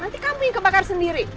nanti kamu yang kebakar sendiri